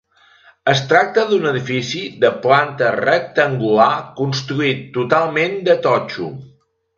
Es tracta d'un edifici de planta rectangular construït totalment de totxo.